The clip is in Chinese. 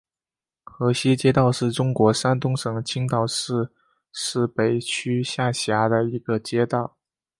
河西街道是中国山东省青岛市市北区下辖的一个街道。